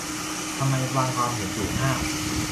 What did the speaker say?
ทำไมบางความเห็นถูกห้าม